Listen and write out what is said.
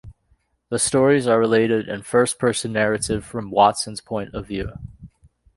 The stories are related in first-person narrative from Watson's point of view.